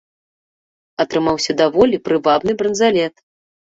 Атрымаўся даволі прывабны бранзалет.